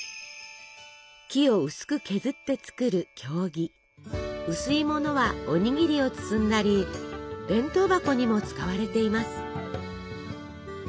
木を薄く削って作る薄いものはおにぎりを包んだり弁当箱にも使われています。